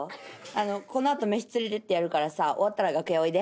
この後飯連れてってやるからさ終わったら楽屋おいで。